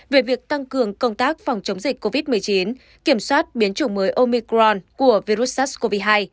về việc tăng cường công tác phòng chống dịch covid một mươi chín kiểm soát biến chủng mới omicron của virus sars cov hai